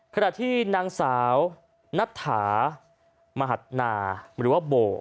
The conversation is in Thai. ขณะที่นางสาวนัทธามหัดนาหรือว่าโบ